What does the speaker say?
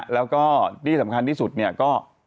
แล้วก็ที่สำคัญที่สุดเนี่ยก็